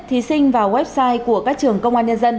thí sinh vào website của các trường công an nhân dân